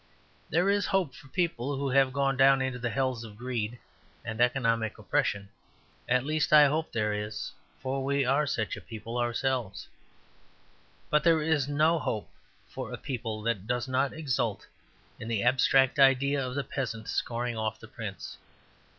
There is hope for people who have gone down into the hells of greed and economic oppression (at least, I hope there is, for we are such a people ourselves), but there is no hope for a people that does not exult in the abstract idea of the peasant scoring off the prince.